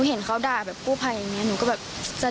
เพื่อนของไอซ์นะครับเกี่ยวด้วย